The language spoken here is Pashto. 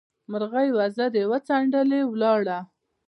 مرغۍ وزرې وڅنډلې؛ ولاړه.